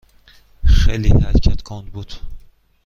خیلی حرکت کند بود.